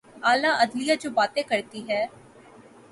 اعلی عدلیہ جو باتیں کرتی ہے۔